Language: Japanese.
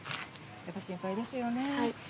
やっぱり心配ですよね。